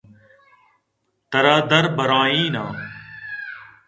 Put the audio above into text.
ترا دربَرائیناں